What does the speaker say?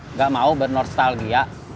nggak mau bernostalgia